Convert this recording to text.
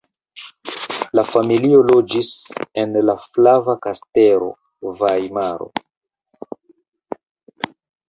La familio loĝis en la Flava Kastelo (Vajmaro).